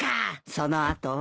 その後は？